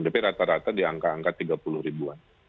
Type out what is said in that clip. tapi rata rata di angka angka tiga puluh ribuan